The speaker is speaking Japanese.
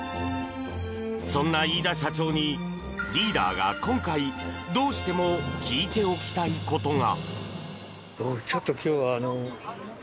そんな飯田社長にリーダーが今回どうしても聞いておきたいことが。